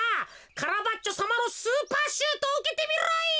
カラバッチョさまのスーパーシュートをうけてみろ！